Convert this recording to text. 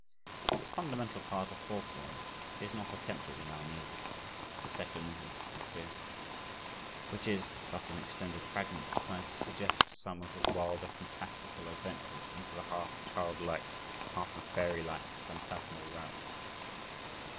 This fundamental part of Hawthorne is not attempted in our music (the 2nd movement of the series) which is but an "extended fragment" trying to suggest some of his wilder, fantastical adventures into the half childlike, half fairylike phantasmal realms.